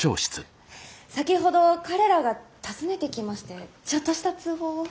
先ほど彼らが訪ねてきましてちょっとした通報を。